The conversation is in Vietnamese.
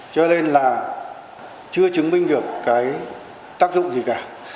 cho nên là chưa chứng minh được cái tác dụng gì cả